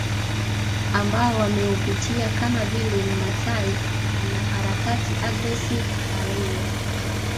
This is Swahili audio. Ambao wameupitia kama vile Mmasai mwanaharakati Agnes Pareiyo